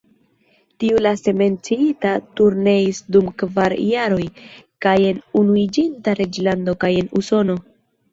Tiu laste menciita turneis dum kvar jaroj, kaj en Unuiĝinta Reĝlando kaj en Usono.